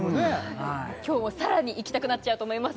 今日はさらに行きたくなっちゃうと思います